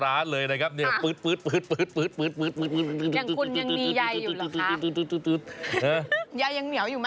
อย่างคุณยังมีใยอยู่หรอคะ